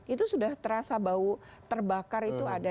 itu sudah terasa bau terbakar itu ada